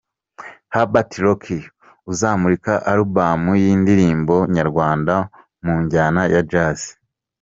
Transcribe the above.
Habert Rock uzamurika Albumu y'indirimbo nyarwanda mu njyana ya Jazz.